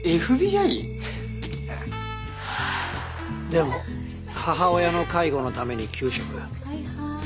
でも母親の介護のために休職。